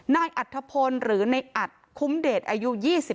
อัธพลหรือในอัดคุ้มเดชอายุ๒๓